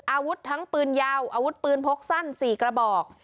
อาวุธทั้งปืนยาวอาวุธปืนพกสั้น๔กระบอก